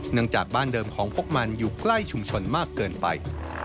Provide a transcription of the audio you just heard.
จากบ้านเดิมของพวกมันอยู่ใกล้ชุมชนมากเกินไป